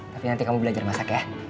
tapi nanti kamu belajar masak ya